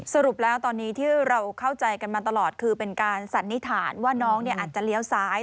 สรุปแล้วตอนนี้ที่เราเข้าใจกันมาตลอดคือเป็นการสันนิษฐานว่าน้องอาจจะเลี้ยวซ้าย